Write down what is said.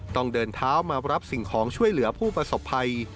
ต้องเดินเท้ามารับสิ่งของช่วยเหลือผู้ประสบภัย